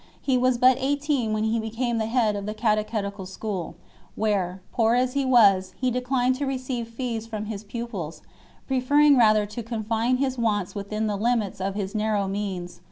He was but eighteen when 203. he became head of the Catechetic School, where, poor as Ee was, he declined to receive fees from his pupils, pre ferring rather to confine his wants within the limits of his narrow means.